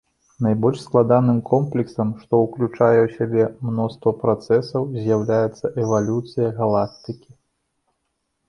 Найбольш складаным комплексам, што ўключае ў сябе мноства працэсаў, з'яўляецца эвалюцыя галактыкі.